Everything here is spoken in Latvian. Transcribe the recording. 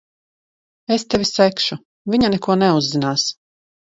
Es tevi segšu. Viņa neko neuzzinās.